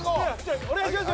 お願いします。